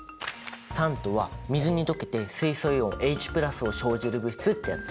酸とは水に溶けて水素イオンＨを生じる物質ってやつ。